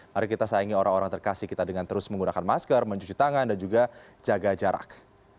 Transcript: mari kita sayangi orang orang terkasih kita dengan terus menggunakan masker mencuci tangan dan juga jaga jarak